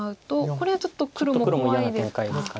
これはちょっと黒も怖いですか。